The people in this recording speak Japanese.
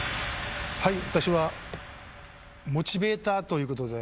私は「モチベーター」ということで。